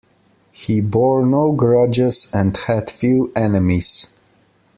He bore no grudges and had few enemies.